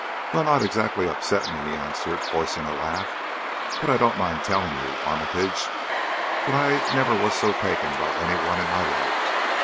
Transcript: "Well, not exactly to upset me," he answered, forcing a laugh. "But I don't mind telling you, Armitage, that I never was so taken by any one in my life.